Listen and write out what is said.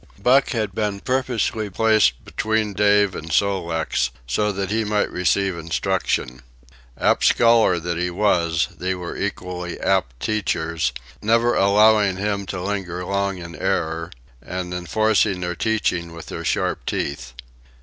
Buck had been purposely placed between Dave and Sol leks so that he might receive instruction. Apt scholar that he was, they were equally apt teachers, never allowing him to linger long in error, and enforcing their teaching with their sharp teeth.